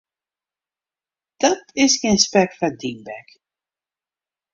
Dat is gjin spek foar dyn bek.